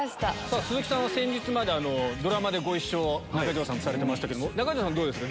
鈴木さんはドラマでご一緒中条さんとされてましたけど中条さんどうですか？